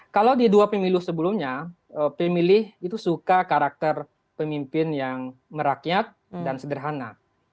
kalau di dua pemilu sebelumnya pemilih itu suka karakter pemimpin yang merakyat dan sederhana